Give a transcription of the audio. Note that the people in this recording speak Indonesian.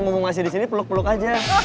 mau ngasih di sini peluk peluk aja